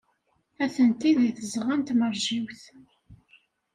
Atenti deg tzeɣɣa n tmeṛjiwt.